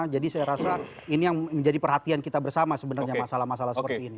jadi saya rasa ini yang menjadi perhatian kita bersama sebenarnya masalah masalah seperti ini